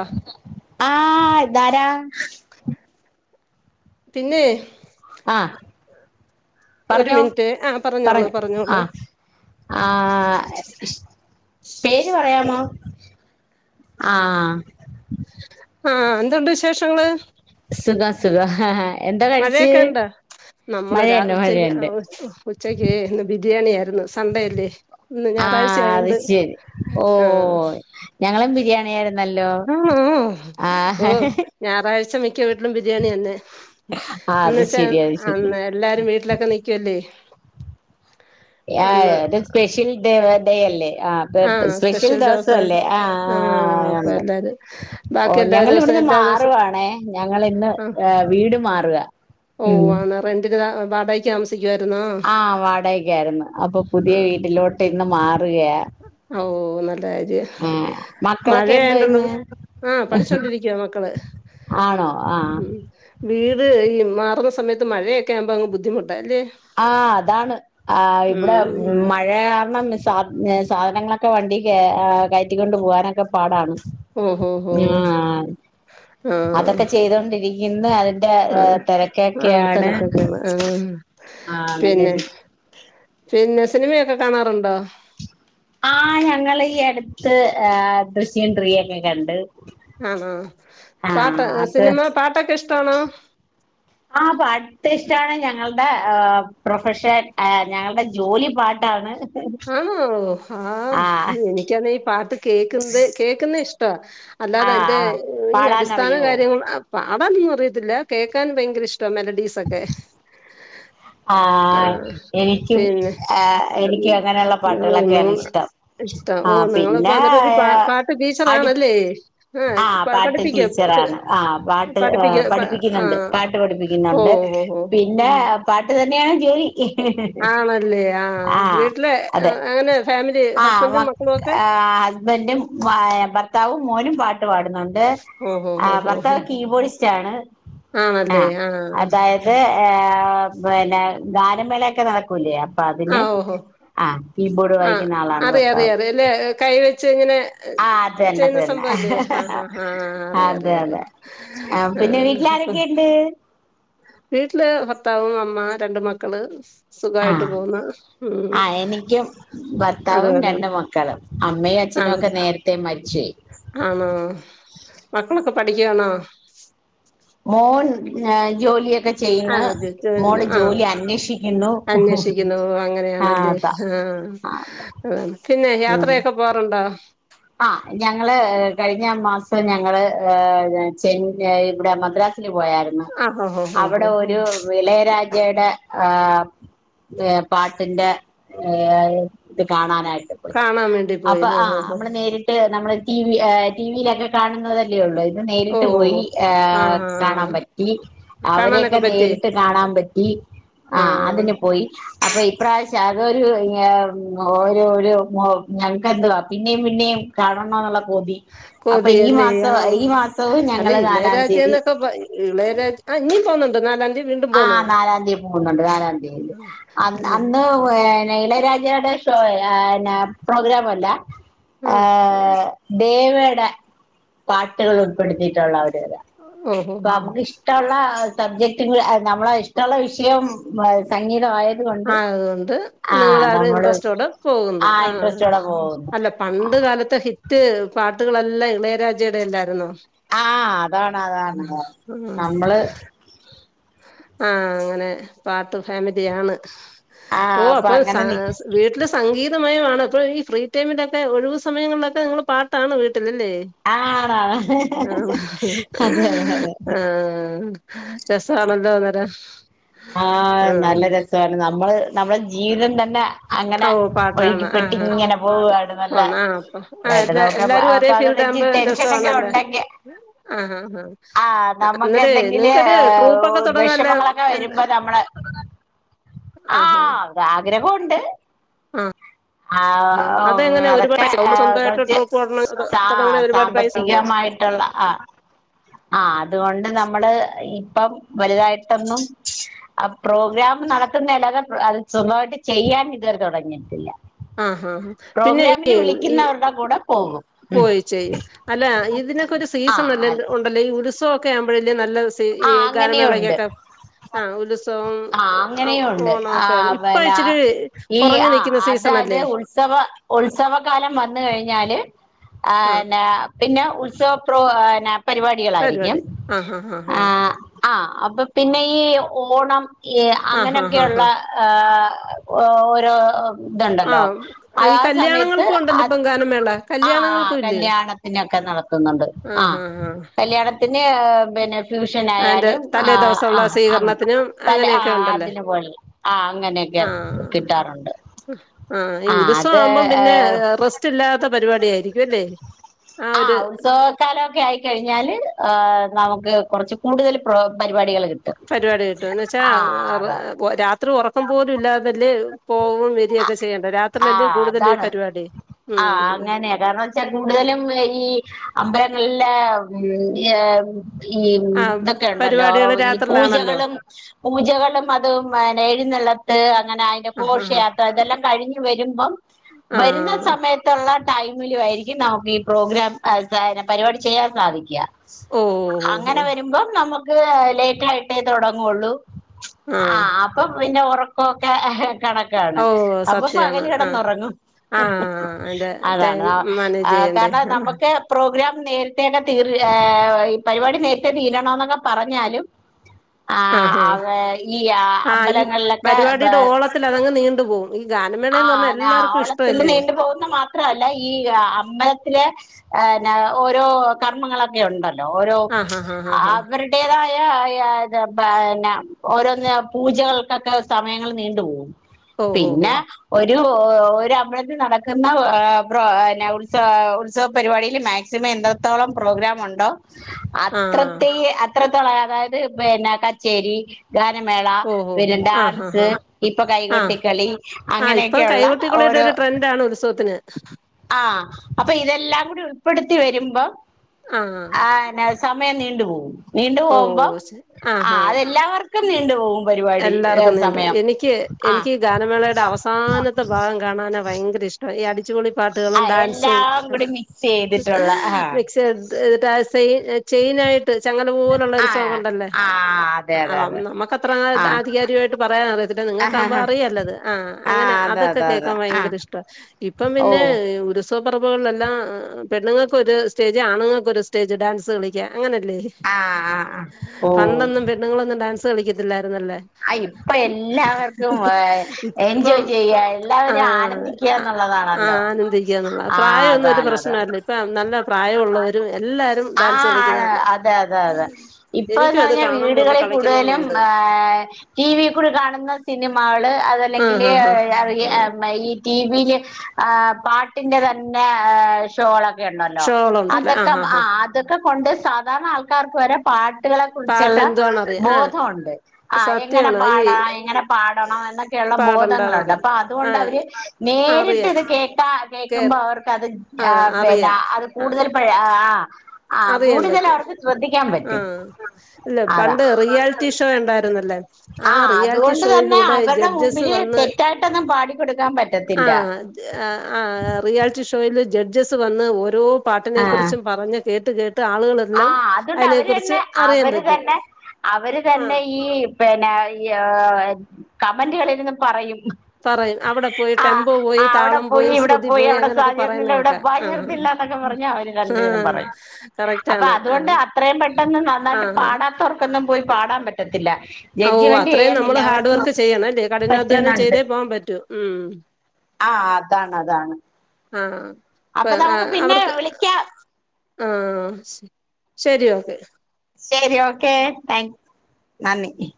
ആഹ് ആഹ് ഇതാരാ? പിന്നേഹ് ആഹ് ഒരു മിൻറ്റേ ആ പറഞ്ഞോളൂ പറഞ്ഞു ആ പറഞ്ഞോളൂ. ആ [unintelligible] ആഹ് ആഹ് എന്തുണ്ട് വിശേഷങ്ങള്? സുഖം സുഖം എന്തോ കഴിച്ച് മഴയൊക്കെ ഉണ്ടോ നമ്മള് രാ മഴയുണ്ട് ഉച്ചയ്ക്ക് മഴയുണ്ട് ഉച്ചയ്ക്ക് ഇന്ന് ബിരിയാണി ആയിരുന്നു സൺണ്ടേയല്ലേ. ന്ന് ആ അത് ഞായറാഴ്ച്ചായോണ്ട് ശരി ഓ ഹ് ഞങ്ങളും ബിരിയാണി ആയിരുന്നല്ലോ ഈ ഹ് ആ ഹ് ഓ ഞായറാഴ്ച മി ക്ക വീട്ടിലും ബിരിയാണിയന്നെ ആ അത് എന്നുവച്ചാ ശരി അത് അ ശരി ന്ന് എല്ലാരും വീട്ടിലൊക്കെ നിക്കുവല്ലേ. യാ അന്ന് അത് സ്പെഷ്യൽ ഡേ വന്നെ അല്ലേ. ആ പെ സ്പെഷ്യൽ ദെവസല്ലേ ആ ആ അപ്പൊ ഒണ്ട് എല്ലാരും ഓ ബാക്കി എല്ലാ ദിവസവും ഞങ്ങളിവിടുന്ന് എല്ലാ ദിവസവും മാറ്‌വാണേ ഞങ്ങളിന്ന് ആ ഏ വീട് മാറുവാ ഓ ആണ്‌ റെന്റിന് താ വാടകക്ക് താമസി ആ വാടകക്കായിരുന്നു അപ്പൊ പുതിയ വീട്ടിലോട്ടിന്ന് മാറി. ഔ നല്ല കാര്യാ ആ മക്കളൊക്കെ എന്തോ ഇന്ന് മഴയായോണ്ടുള്ളത് ആ പഠിച്ചോണ്ടിരിക്ക മക്കള് ആണോ ആ ഉം വീട് ഈ മാറുന്ന സമയത്ത് മഴയൊക്കെ ആകുമ്പോ അങ്ങ് ബുദ്ധിമുട്ടാ അല്ലേ? ആ അതാണ് ആ ഇവ്ടെ ഉം മഴ കാരണം മിസ് സാ സാധനങ്ങളൊക്കെ വണ്ടീക്ക് കയറ്റിക്കൊണ്ട് പോകാനൊക്കെ പാടാണ് ഓ ഹൊ ഹോ ആ ആ അതൊക്കെ ചെയ്തൊണ്ടിരിക്കുന്നു അതിന്റെ ആ ആ തിരക്കൊക്കെയാണ് തെരക്കൊക്കേണ് ആ [inaudible] അങ്ങന്നെണ് പിന്നെ സിനിമയൊക്കെ കാണാറുണ്ടോ? ആ ഞങ്ങളീ അടുത്ത് ഏ ദൃശ്യം ത്രീ ഒക്കെ കണ്ടു ആണോ പാട്ട് സിനിമ പാട്ടൊക്കെ ഇഷ്ടണോ? ആ പാട്ടിഷ്ടാണ് ഞങ്ങൾ എ ഏ പ്രൊഫഷൻ് എ ഞങ്ങൾടെ ജോലി പാട്ടാണ്. ആന്നോ ആ എനിക്കാണെ പാട്ട് കേക്കുന്നതെ കേക്കുന്നെ ഇഷ്ടാ. ആ അല്ലാതെന്റെ ആ ഈ അടിസ്ഥാന പാടാനറിയോ കാര്യങ്ങൾ. പാടാനൊന്നും അറിയത്തില്ല കേക്കാൻ ഭയങ്കര ഇഷ്ടമാണ് മെലഡീസൊക്കെ. ആ ആഹ് എനിക്കും പിന്നെ എനിക്കും അങ്ങനെയുള്ള പാട്ടുകളൊക്കെയാണ് [unintelligible] ഇഷ്ടം ഇഷ്ട്ടാ ആ ഓഹ് നിങ്ങളിപ്പോ പിന്നെ അന്നേരം ഒരു പാ പാട്ട് ടീച്ചറാണല്ലേ? ആഹ് പാട്ട് പഠിപ്പിക്കോ? ടീച്ചർ പ- ആണ് ആഹ് പാട്ട് പഠിപ്പിക്കോ? പഠിപ്പിക്കുന്നുണ്ട് ആഹ് പാട്ട് പഠിപ്പിക്കുന്നുണ്ട്. ഓഹ് ഓഹ് ഓഹ് പിന്നെ ഓഹ് പാട്ട് തന്നെയാണ് ജോലി. ആണല്ലേ ആഹ് വീട്ടിലെ ആ, അതെ അങ്ങനെ ഫാമിലി ഹസ്ബൻഡും ആഹ് മക്കളും ഒക്കെ? ഹസ്ബന്റും ഭർത്താവും മോനും പാട്ട് പാടുന്നുണ്ട് ഓഹ് ഓഹ് ഏഹ് ഓഹ് ഓഹ് ഭർത്താവ് കീബോർഡിസ്റ്റ് ആണ് ആഹ് അതായത് ഏഹ് പിന്നെ ഗാനമേളെയൊക്കെ നടക്കൂലേ അപ്പൊ അതിന് ആഹ് കീബോർഡ് വായി അറിയാ അറിയ ല്ലെ കൈ വെച്ച് ഇങ്ങനെ ആഹ് അത് തന്നെ അത് ചെയ്യുന്ന തന്നെ സംഭവല്ലേ ആഹ് ആഹ് അറിയ അറിയ ആഹ് ആരൊക്കെ ഇണ്ട് വീട്ടില് ഭർത്താവും അമ്മ രണ്ട് മക്കള് സുഖായിട്ട് ആഹ് പോവുന്ന് ഉം ആ എനിക്കും ഭർത്താവും അതുപോലെ രണ്ട് മക്കളും അമ്മയും അ ആണ് അച്ഛനൊക്കെ നേരത്തെ മരിച് പോയി. ആണോ മക്കളൊക്കെ പഠിക്കാണോ? ഓൺ ണെ ജോലി ചെയുന്ന ആഹ് മോള് ആഹ് ജോലി അന്വേഷിക്കുന്നു അന്വേഷിക്കുന്നു ഓ, ആഹ് ആ അങ്ങനെയാണല്ലേ താ ആഹ് [unintelligible] യാത്ര യൊക്കെ പോവാറുണ്ടോ? ആഹ് ഞങ്ങള് കഴിഞ്ഞ മാസം ഞങ്ങള് ഏഹ് ചെയ്ൻ ഏഹ് ഇവടെ മദ്രാസ് ൽ പോയായിരുന്നു ആഹ് ഹോ ഹോ ഹോ അവിടെ ഹോ ഹോ ഒരു വിളയരാജയുടെ ആഹ് പാട്ടിന്റെ ഏഹ് ഇത് കാണാൻ ണാനായിട്ട് പോയി കാണാൻ വേണ്ടി പോയി അപ്പൊ ഹോ ഹോ ആഹ് ഹോ നമ്മള് നേരിട്ട് നമ്മള് ടി വി ടിവിയിലൊക്കെ കാണുന്നതല്ലേ ഉള്ളൂ ത് നേരിട്ട് ഓഹ് പോയി ആഹ് കാണാം പറ്റി അവരെയൊക്കെ കാണാനൊക്കെ പറ്റി നേരിട്ട് കാണാൻ പറ്റി. ആഹ് അതിന് പോയി അപ്പ ഇപ്രാവ ഞങ്ങക്ക് ഒരു ങ്ങേ ഓരോരോ ഞങ്ങക്ക് എന്തോ പിന്നെയും പിന്നെയും കാണണം ന്ന്ള്ളെ പൂതി കോതിയല്ലേ ആഹ് അല്ല ഞങ്ങള് നാലാം തീയതി ഇളയരാജ്യലൊക്കെ ബ ഇളയ രാജ്യ [unintelligible] പ്പന്നാലാന്തി ആഹ് നാലാംതി പോകുന്നുണ്ട് നാലാം തിയതി അല്ലെ അന്ന് ഇളയ രാജടെ ഷോയാണ് പ്രോഗ്രാമല്ല ആഹ് ദേവെടെ പാട്ട്കള് ഉൾപ്പെടുത്തിട്ടുള്ള ഒര് താ ഓഹോ അപ്പ ഹോ നമുക്കിഷ്ടോള്ള സബ്ജക് ട്ട് നമ്മളെ ഇഷ്ടെള്ള വിഷയം സംഗീതമായ ആയതുകൊണ്ട് നിങ്ങള് അത് നമ്മള് ഇൻട്രസ്റ്റ്ടെ ആ പോകുന്നു ആഹ് ഇൻട്രസ്റ്റോടെ പോകുന്നു അല്ല പണ്ട് ണ്ട് കാലത്ത് ഹിറ്റ് പാട്ടുകളെല്ലാം ഇളയ രാജയുടെല്ലായിരുന്നോ? ആഹ് അതാണ് അതാണ് ആഹ് നമ്മള് ആഹ് അങ്ങനെ പാട്ട് ഫാമിലിയാണ്. ആ ഓ അപ്പൊ സ അങ്ങനെ നി സ് വീട്ട്ല് സംഗീതമാണ് ഒണക്ക് ഈ ഫ്രീ ടൈമിലൊക്കെ ഒഴിവ് സമയങ്ങളിലൊക്കെ നിങ്ങള് പാട്ടാണ് വീ ട്ട്ല് ല്ലേ ആണാണ് അതെ അതെ അതെ അതെ ആഹ് രസാണല്ലോ അന്നേരം ആഹ് നല്ല രസാണ് നമ്മള് നമ്മളെ ജീവതം തന്നെ അങ്ങനെ ഓ പാട്ടാണ് ഒഴുക്കിപ്പെട്ടി ആഹ് ഇങ്ങനെ പോവാണ് നല്ല ആഹ് ആഹ് അപ്പൊ ആഹ് എല്ലാ ഏട്ടനൊക്കെ എല്ലാരും ഒരേ ഫീൽഡ് [unintelligible] ച്ചി ആകുമ്പോ ടെൻഷനോക്കെ രസമാണല്ലേ ഉണ്ടെങ്കെ ആഹ് ആഹ് ആഹ് നമുക്ക് അന്നേരേ എന്തെങ്കിലും നിങ്ങക്കൊരു ട്രൂപ്പൊക്കെ ഏഹ് തുടങ്ങാല്ലോ വെഷമങ്ങളൊക്കെ ആഹ് വെരു മ്പ നമ്മള് ആ ആഹ് ഒര് ആഗ്രഹം ഉണ്ട് [unintelligible] ആ ആഹ് അതെങ്ങനെ ഒരുപാട് അതൊക്കെ നമ്മൾ സ്വന്തമായിട്ട് കുറച്ച് ട്രൂപ്പ് തുടങ്ങ സ തുടങ്ങണെ ഒരുപാട് പൈസ ആവോ സാമ്പത്തികമായിട്ട് ട്ടുള്ള ആ അതുകൊണ്ട് നമ്മള് ഇപ്പം വലുതായിട്ടൊന്നും ആ പ്രോഗ്രാം നടത്തുന്നല്ലാതേ അത് സുഖായിട്ട് ചെയ്യാൻ ഇതുവരെ തുടങ്ങിയിട്ടില്ല. ആഹ് ഹാ ഹാ പിന്നെ പ്രോഗ്രാമിന് ഈയെ ഈ വിളിക്കുന്നവരുടെ കൂടെ പോകും ഉം പോയി ചെയ്യും. അല്ല ഇതിനൊക്കെ ഒരു സീസൺ അല്ലേ, ആഹ് ഉണ്ടല്ലേ ഈ ഉത്സവം ക്കെ ആവുമ്പോഴല്ലേ നല്ല സേ ഈ ആഹ് അങ്ങനെയുണ്ട് ഗാനമേളക്കൊക്കെ ആ ഉത്സവം. ആ അങ്ങനെയും ഒണ്ട്. ആ ഓണമൊക്കെ ഇപ്പൊ പിന്നെ ഇച്ചിരി ഈ കുറഞ്ഞു ആ നിൽക്കുന്ന അത സീസൺ അത് അല്ലേ ഉത്സവ ഉത്സവകാലം വന്ന് കഴിഞ്ഞാല്. ആ ആഹ് ന്നെ പിന്നെ ഉത്സവ പ്രോ ആ ന പരിപാടികളായിരിക്കും. പരിപാടി ആഹ് ആഹ് ആഹ് ആ ആ അപ്പൊ പിന്നെ ഈ ഓണം ആഹ് ആഹ് ആഹ് ആഹ് അങ്ങനെയൊക്കെയുള്ള ആഹ് ഏഹ് ഓ ഒരോ ഓ ഇതുണ്ടല്ലോ ആഹ് ആ ഈ സമയത്ത്, കല്യാണങ്ങൾക്കും ഉണ്ടല്ലോ അത് ഇപ്പം ഗാനമേള ആ കല്യാണങ്ങൾക്കും ഇല്ലേ കല്യാണത്തിനൊക്കെ നടക്കുന്നുണ്ട് ആ ആഹ് ആഹ് ആഹ് കല്യാണത്തിൻ പിന്ന പിന്നെ ഫ്യൂഷൻ അതിന്റെ ആയാലും തലേ ആഹ് ദിവസമുള്ള ആഹ് അങ്ങനെ സ്വീകരണത്തിനും തലേ ആ അങ്ങനെയൊക്കെ ഉണ്ടല്ലോ അതിനെ പോലെ ആ അങ്ങനെയൊക്കെ കിട്ടാറൊണ്ട്. ആ ഈ ഉത്സവം ആവുമ്പം പിന്നെ റെസ്റ്റ് ഇല്ലാത്ത പരിപാടി ആയിരിക്കും അല്ലേ. ആ ഒരു ആഹ് ഉത്സവ കാലൊക്കെ ആയിക്കഴിഞ്ഞാല് ആ നമുക്ക് കുറച്ച് കൂടുതൽ പ്രോ പരിപാടികൾ കിട്ടും. പരിപാടി കിട്ടും എന്ന് വെച്ചാ ആ അത രാത്രി ഉറക്കം പോലും ഇല്ലാതല്ലെ പോവും വരിയുയൊക്കെ ചെയ്യണ്ടേ? ആ രാത്രിയിലല്ലേ കൂടുതലും ഈ അതാണ് പരിപാടി ഉം ഞങ്ങള് ഈ അമ്പലങ്ങളില ഈ ആഹ് ഇതൊക്കെ ഉണ്ടല്ലോ പരിപാടികള് ഈ രാത്രിയിലാണല്ലോ പൂജകളും പൂജകളും അതും വന എഴുന്ന ളത്ത് അങ്ങനെ അതിന്റെ ആഹ് ആഹ് ഘോഷയാത് അതെല്ലാം കഴിഞ്ഞു വരുമ്പം വരുന്ന ആഹ് സമയത്തുള്ള ടൈമിലും ആയിരിക്കും. [unintelligible] ഈ പ്രോഗ്രാം [unintelligible] പരിപാടി ചെയ്യാൻ സാധിക്കാ. ഓഹ് ഓഹ് അങ്ങനെ ഓഹ് വരുമ്പം നമ്മക്ക് ത് ലേറ്റായിട്ടേ തൊടങ്ങൊള്ളൂ ആഹ് അപ്പൊ പിന്നെ ഒറക്കൊക്കെ കണക്കാണ് ഓഹ് അപ്പൊ സത്യാണ് പകല് ആഹ് കെടന്നൊറങ്ങും. ആഹ് അയിന്റെ അതാണ് ടൈം അ മാനേജ് ആഹ് ചെയ്യണ്ടേ കാരണം നമ്മക്ക് പ്രോഗ്രാം നേരി [unintelligible] ഏഹ് ഈ പരിപാടി നേരത്തെ തീരണോന്നൊക്കെ പറഞ്ഞാലും ആഹ് അവ ഈ ആഹ് ഈ അമ്പലങ്ങളിലൊക്കെ ഭേ പരിപാടിയുടെ ഓളത്തിൽ അതങ്ങ് നീണ്ടു പോകും ഈ ഗാനമേളന്ന് പറഞ്ഞാ ആഹ് ഞാ എല്ലാവർക്കും ഓളത്തില് ഇഷ്ടമല്ലേ നീണ്ടു പോകുന്ന മാത്രല്ല ഈ അമ്പലത്തിലെ ഏഹ് ന്നാ ഓരോ കർമ്മങ്ങളൊക്കെ ഒണ്ടല്ലോ ഓരോ ആഹ് ഹാ ഹാ ഹാ ആഹ് ഹാ ആവരുടേതായ [unintelligible] ആയ [unintelligible] ഓരോന്ന് പൂജകൾക്കൊക്കെ സമയങ്ങൾ നീണ്ടുപോകും. ഓഹോഹോ ഒരു ഒ ഒരമ്പലത്തി നടക്കുന്ന ആഹ് പ്രോ ന്നെ ഉത്സവ ഉത്സവപ്പരുപാടിയില് മാക് ക്സിമം എത്രത്തോളം പ്രോഗ്രാമുണ്ടോ ആഹ് അത്രത്തേയി അത്രത്തോളം അതായത് പിന്നെ കച്ചേരി ഗാനമേള ഓഹ് ഹോ ഹോ പിന്നെ ആഹ് ഡാൻസ് ഹാ ഹാ ഇപ്പൊ ആഹ് കൈകൊട്ടിക്കളി ആഹ് ഇപ്പം അങ്ങനെയൊക്കെയുള്ള കൈകൊട്ടിക്കളിടെ ഓരോ ഒരു ട്രെൻഡാണ് ഉത്സവത്തിന് ആ അപ്പൊ ഇതെല്ലാംകൂടി ഉൾപ്പെട്ത്തിവര്മ്പോ ആഹ് ആ ന സമയം നീണ്ട്പോവും നീണ്ടു ഓ പോകുമ്പം ശരി ആ അതെല്ലാവർക്കും നീണ്ട്പോവും എല്ലാവർക്കും നീണ്ടു പോയ് എനിക്ക് ആ എനിക്കീ ഗാനമേളെടെ അവസാനത്തെ ഭാഗം കാണാൻ ണാ ഭയങ്കര്ഷ്ടാ ഈ അടി ടിച്ച്പൊളി ആ പാട്ട്കളും ഡാൻസും എല്ലാം കൂടി മിക്സ് ചെയ്തിട്ടുള്ള ആഹ് മിക്സെയ്തു ഡാ ചെയ് ചെയ്നായിട്ട് ചങ്ങല പോലുള്ളൊര് ആഹ് സോങ്ങ്ണ്ടല്ലേ ആഹ് അതെ അതെ അ അതെ നമ്മക്ക ത്ര ആഹ് ആധികാരികമായിട്ട് പറയാനറിയത്തില്ല ആഹ് നിങ്ങൾക്കാവുമ്പോ ആഹ് അറിയാല്ലത് ആ ആഹ് അങ്ങനെ അതെ അതൊക്കെ അതെ കേൾക്കാ അതെ ആഹ് ഭയങ്കരി ഷ്ട്ട ഓ ഇപ്പംപിന്നെ ഒര് [unintelligible] എല്ലാ പെണ്ണുങ്ങൾക്കൊര് സ്റ്റേജ് ആണുങ്ങൾക്കൊര് സ്റ്റേജ് ഡാൻസ് കളിക്കാൻ ങ്ങനെല്ലേ ആഹ് ആഹ് ആഹ് ഓ പണ്ടൊന്നും പെണ്ണുങ്ങളൊന്നും ഡാൻസ് കളിക്കത്തില്ലാ ര്ന്നല്ലെ ആ ഇപ്പൊ എല്ലാവർക്കും ഇപ്പം എൻജോയ് ചെയ്യാ ആ എല്ലാവരും ആനന്ദിക്കുക ആ ആ എന്നുള്ളതാണല്ലോ ആനന്ദിക്കാന്നുള്ള ആഹ് പ്രായാെന്നും ഒരു അതാണ് അതാണ് പ്രശ്നല്ല ഇപ്പ നല്ല പ്രായള്ളൊവരും എല്ലാ ല്ലാരും ആ ഡാൻസ് ആണ് കളിക്കുന്നതാണ് അതെ അതെ അതെ എനിക്കും ഇപ്പന്ന് അത് പറഞ്ഞാ കാണാൻ പോവുമ്പം കളിക്കണോന്ന്ണ്ട് ടീവിക്കൂടെ കാണ്ന്ന സിനിമാകള് ആഹ് അതെല്ലെങ്കില് ആഹ് ആഹ് [unintelligible] ഈ ടീവീല് ആ പാട്ടിന്റെ തന്നെ ഏ ഷോള വെര്ണല്ലോ ഷോളുണ്ടല്ലേ അതൊക്കെ ആഹ് ആഹ് ആ അതൊക്കെ കൊണ്ട് സാധാരണ ആൾക്കാർക്ക് വരെ പാ ട്ട് കളെ പാട്ട് കുറിച്ച്ള്ള എന്തുവാന്ന് അറിയാം ആ ബോധമാെണ്ട് ആ എങ്ങനെ സത്യമാണ് ഈ പാടാ എങ്ങനെ പാടണം എന്നൊക്കെയുള്ള ബോധങ്ങളുണ്ട് പാടണ്ടാന്നൊക്കെ ആ പ്പതുകൊണ്ടവര് നേ അറിയാം നേരിട്ടിത് കേക്കാം കേ ക്കുമ്പോ അവർക്കത് ആ പിന്നെ അറിയാം അത് ആ കൂട്തല് പേ ആ ആ ആ അറിയാൻ പറ്റും കൂട്തലവർക്ക് ശ്രദ്ധിക്കാൻ ആ പറ്റും ഇല്ല അതാ പണ്ട് റിയാലിറ്റി ഷോ ഉണ്ടായിരുന്നല്ലേ ആ റിയാലിറ്റി അതുകൊണ്ട്തന്നെ ഷോയിലൂടെ അവര്ടെ ജഡ്ജസ് മുമ്പില് വന്ന് തെറ്റായിട്ടൊന്നും പാടികൊട്ക്കാൻ പറ്റത്തില്ല അ ത് ആ ആ റിയാലിറ്റി ഷോ യിൽ ജഡ്ജസ് വന്ന് ഓരോ പാട്ടിനെ ആ കുറിച്ചും പറഞ്ഞ് കേട്ട് കേട്ട് ട്ട് ആ ആളുകളെല്ലാം അയ്നെ കുർച്ച് അറിയാൻ പറ്റും ആ അവര്തന്നെ ഈ പെന്നെ ഈ കമന്റുകളിര്ന്ന് പറയും പറയും അവിടെ പോയി ആ ടെമ്പോ പോയി ആ താളം പോയി അവ്ടെപോയി ഇവ്ടെ ശ്രുതി പോയി അവ്ടെ അങ്ങനെയൊക്കെ പറയുന്ന സാചര്ന്നില്ല ഇവിടെ കേക്കാം ആഹ് [unintelligible] ല്ലാന്നൊക്കെ പർഞ്ഞ് അവര് രണ്ടേരും ആഹ് പറയും അപ്പൊ കറക്റ്റാണ് അത്കൊണ്ട് ആഹ് അത്രയും പെട്ടെന്ന് നന്നായിട്ട് ആഹ് പാടാത്തവർക്കൊന്നും പോയി പാടാം പറ്റത്തില്ല ഓ ജഡ്ജ്മെന്റ് അത്രയും ചെയ്യാൻ നമ്മള് ഹാഡ് എല്ലാവർക്കും വർക്ക് ചെയ്യണല്ലേ കഠിനാധ്വാനം ചെയ്തേ പോവാൻ പറ്റൂ ഉം ആ അതാണ് അതാണ് ആ പ്പൊ അപ്പൊ അ നമുക്ക് പിന്നെ അവർക്ക് വിളിക്കാം ആ ശെ ശെരി ഓക്കെ ശെരി ഓക്കെ താങ്ക് നന്ദി